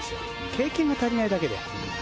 経験が足りないだけで。